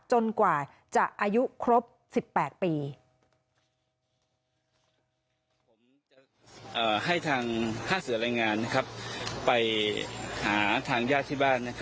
กว่าจะอายุครบ๑๘ปี